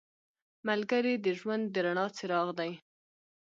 ملګری د ژوند د رڼا څراغ دی